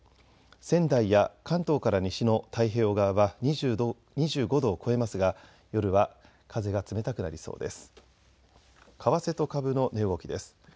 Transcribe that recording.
仙台や関東から西の太平洋側は２５度を超えますが夜は風が冷たくなりそうです。